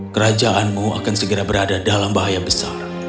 kerajaanmu akan segera berada dalam bahaya besar